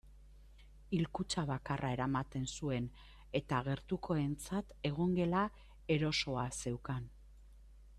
Hilkutxa bakarra eramaten zuen eta gertukoentzat egongela erosoa zeukan.